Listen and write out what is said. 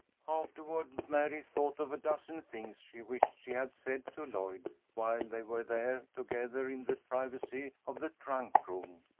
Afterward Mary thought of a dozen things she wished she had said to Lloyd while they were there together in the privacy of the trunk room.